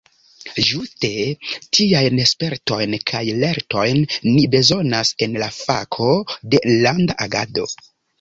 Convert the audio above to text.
Ĝuste tiajn spertojn kaj lertojn ni bezonas en la fako de Landa Agado!